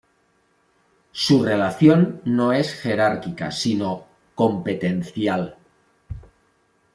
Su relación no es jerárquica sino competencial.